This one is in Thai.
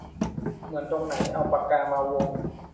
เหมือนตรงไหน เอาปากกามาวง